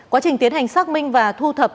quá trình tiến hành xác minh và thu thập